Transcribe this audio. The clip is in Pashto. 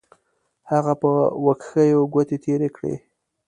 هغه په وښکیو ګوتې تېرې کړې.